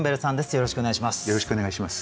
よろしくお願いします。